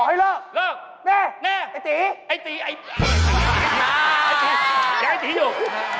ย้ายนี้อยู่